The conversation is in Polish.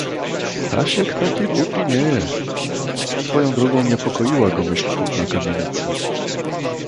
"Stasiek taki głupi nie jest...“ Swoją drogą niepokoiła go myśl kupna kamienicy."